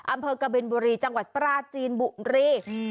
อำเภอกบินบุรีจังหวัดปราจีนบุรี